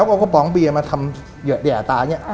เอากระป๋องเบียงมาทำแยะตาอย่างงี้